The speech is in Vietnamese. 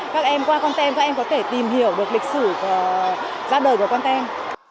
các em qua con tem các em có thể tìm hiểu được lịch sử ra đời của con tem